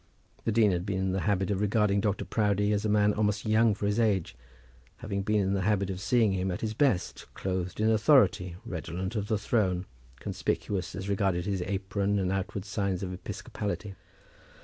The dean had been in the habit of regarding Dr. Proudie as a man almost young for his age, having been in the habit of seeing him at his best, clothed in authority, redolent of the throne, conspicuous as regarded his apron and outward signs of episcopality.